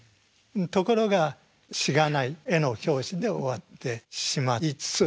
ところがしがない絵の教師で終わってしまいつつあると。